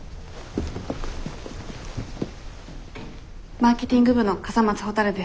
マーケティング部の笠松ほたるです。